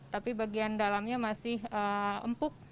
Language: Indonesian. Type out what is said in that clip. tapi bagian dalamnya masih empuk